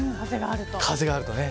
風があるとね。